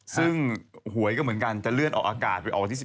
ซึ่งหวยก็เหมือนกันจะเลื่อนออกอากาศไปออกวันที่๑๑